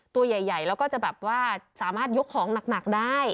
ตัวใหญ่แล้วก็จะแบบว่าสามารถยกของหนักได้